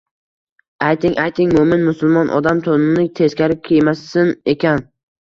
Ayting-ayting, mo‘min-musulmon odam to‘nini teskari kiymasin ekan…